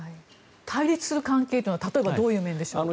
対立する関係というのは例えばどういう面でしょうか。